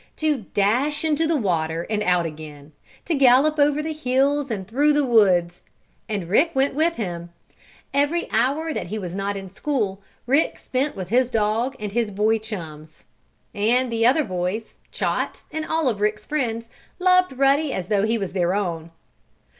To dash into the water and out again, to gallop over the hills and through the woods! And Rick went with him. Every hour that he was not in school Rick spent with his dog and his boy chums. And the other boys Chot and all of Rick's friends loved Ruddy as though he was their own.